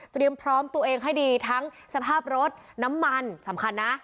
พร้อมตัวเองให้ดีทั้งสภาพรถน้ำมันสำคัญนะ